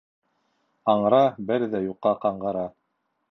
Аңра бер ҙә юҡҡа ҡаңғыра.